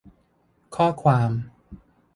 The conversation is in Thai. ข้อความ